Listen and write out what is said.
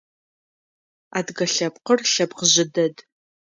Адыгэ лъэпкъыр лъэпкъ жъы дэд.